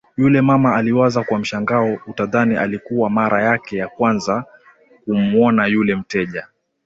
yule mama aliwaza kwa mshangao utadhani ilikuwa mara yake ya kwanza kumuona yule mteja